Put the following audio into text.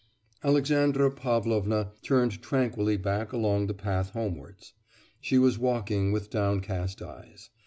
Alexandra Pavlovna turned tranquilly back along the path homewards. She was walking with downcast eyes.